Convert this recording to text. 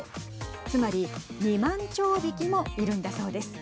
つまり２万兆匹もいるんだそうです。